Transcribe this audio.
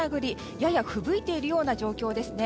ややふぶいているような状況ですね。